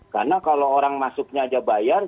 karena kalau orang masuknya aja bayar